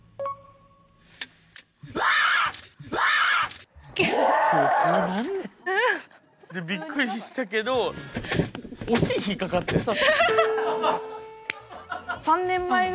わあっ！びっくりしたけどお尻引っかかってん。